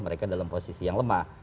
mereka dalam posisi yang lemah